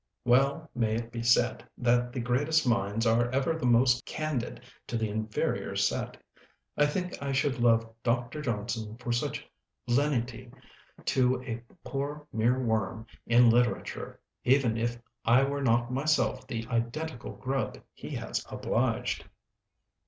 Well may it be said, that the greatest minds are ever the most candid to the inferior set! I think I should love Dr. Johnson for such lenity to a poor mere worm in literature, even if I were not myself the identical grub he has obliged.